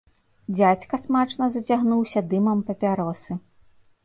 Дзядзька смачна зацягнуўся дымам папяросы.